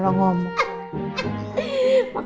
halo assalamualaikum pak